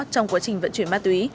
trong quá trình vận chuyển ma túy